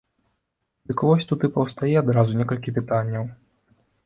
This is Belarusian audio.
Дык вось тут і паўстае адразу некалькі пытанняў.